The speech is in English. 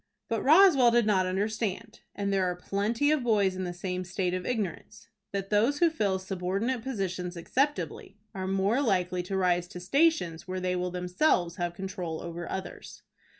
But Roswell did not understand, and there are plenty of boys in the same state of ignorance, that those who fill subordinate positions acceptably are most likely to rise to stations where they will themselves have control over others.